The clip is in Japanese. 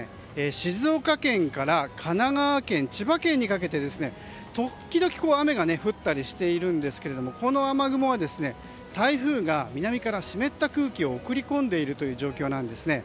静岡県から神奈川県千葉県にかけてときどき雨が降ったりしているんですけれどもこの雨雲は台風が南から湿った空気を送り込んでいる状況なんですね。